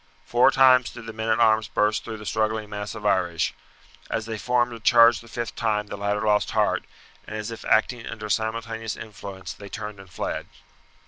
Four times did the men at arms burst through the struggling mass of Irish. As they formed to charge the fifth time the latter lost heart, and as if acting under a simultaneous influence they turned and fled.